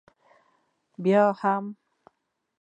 بیا هم؟